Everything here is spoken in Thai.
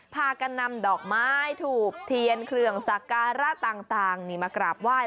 พากันนำดอกไม้ถูกเทียนเครื่องสักการะต่างนี่มากราบไหว้